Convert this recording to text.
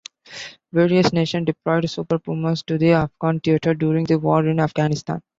Various nations deployed Super Pumas to the Afghan theatre during the War in Afghanistan.